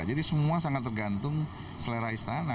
jadi semua sangat tergantung selera istana